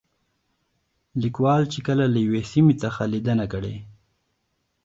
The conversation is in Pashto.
ليکوال چې کله له يوې سيمې څخه ليدنه کړې